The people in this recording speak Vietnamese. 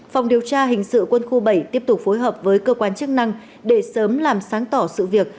phòng điều tra hình sự quân khu bảy tiếp tục phối hợp với cơ quan chức năng để sớm làm sáng tỏ sự việc